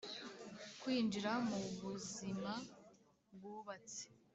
kwinjira mubuzima bwubatse.